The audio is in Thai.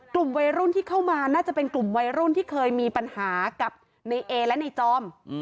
กลุ่มวัยรุ่นที่เข้ามาน่าจะเป็นกลุ่มวัยรุ่นที่เคยมีปัญหากับในเอและในจอม